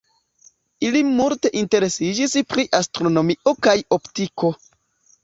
Ili multe interesiĝis pri astronomio kaj optiko.